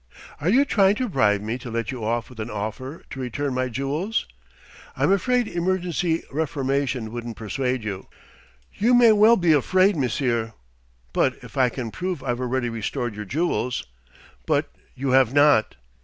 "Are you trying to bribe me to let you off with an offer to return my jewels?" "I'm afraid emergency reformation wouldn't persuade you " "You may well be afraid, monsieur!" "But if I can prove I've already restored your jewels ?" "But you have not."